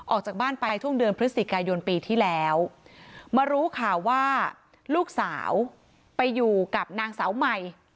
ออกจากบ้านไปช่วงเดือนพฤศจิกายนปีที่แล้วมารู้ข่าวว่าลูกสาวไปอยู่กับนางสาวใหม่